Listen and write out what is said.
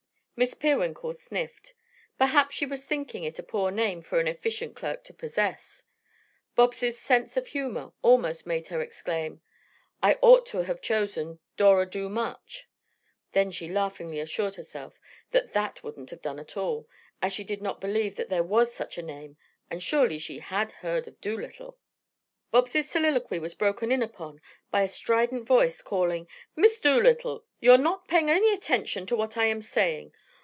Miss Peerwinkle sniffed. Perhaps she was thinking it a poor name for an efficient clerk to possess. Bobs' sense of humor almost made her exclaim: "I ought to have chosen Dora Domuch." Then she laughingly assured herself that that wouldn't have done at all, as she did not believe that there was such a name and surely she had heard of Dolittle. Bobs' soliloquy was broken in upon by a strident voice calling: "Miss Dolittle, you're not paying any attention to what I am saying.